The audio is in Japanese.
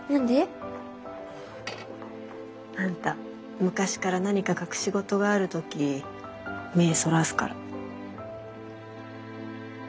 あんた昔から何か隠し事がある時目そらすから。